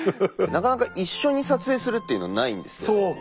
なかなか一緒に撮影するっていうのないんですけど。